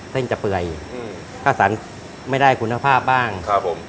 เส้นจะเปื่อยถ้าสันไม่ได้คุณภาพบ้างครับผม